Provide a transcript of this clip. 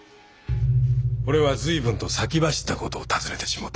これは随分と先走った事を尋ねてしもうた。